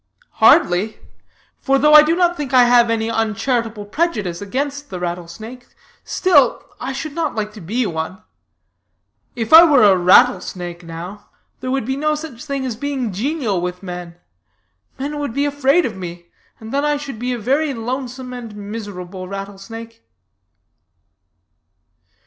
"Hardly. For though I do not think I have any uncharitable prejudice against the rattle snake, still, I should not like to be one. If I were a rattle snake now, there would be no such thing as being genial with men men would be afraid of me, and then I should be a very lonesome and miserable rattle snake."